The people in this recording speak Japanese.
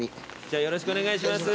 よろしくお願いします。